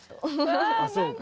あそうか。